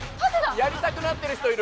やりたくなってる人いる！